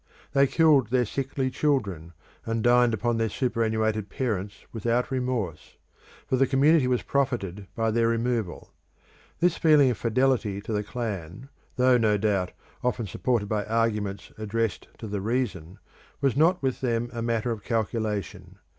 They killed their sickly children, and dined upon their superannuated parents without remorse; for the community was profited by their removal. This feeling of fidelity to the clan, though, no doubt, often supported by arguments addressed to the reason, was not with them a matter of calculation.